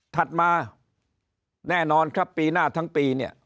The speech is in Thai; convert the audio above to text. ถัดมาแน่นอนครับปีหน้าทั้งปีเนี่ย